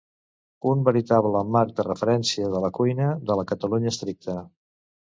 un veritable marc de referència de la cuina de la Catalunya estricta